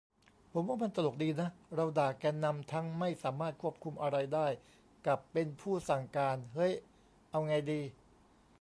ผมว่ามันตลกดีนะ เราด่าแกนนำทั้ง "ไม่สามารถควบคุมอะไรได้" กับ "เป็นผู้สั่งการ" เฮ้ย เอาไงดี